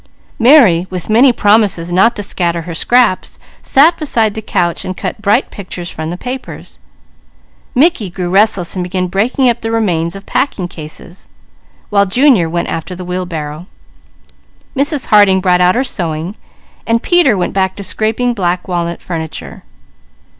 Mary with many promises not to scatter her scraps, sat beside the couch, cutting bright pictures from the papers. Mickey grew restless and began breaking up the remains of packing cases, while Junior went after the wheelbarrow. Mrs. Harding brought out her sewing, and Peter went back to scraping black walnut furniture.